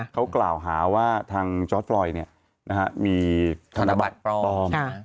เขากล่าวหาว่าทางจอร์จพลอยเนี่ยมีทนบัตรพร้อม